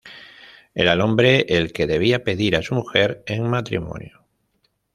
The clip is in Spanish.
Era el hombre el que debía pedir a su mujer en matrimonio.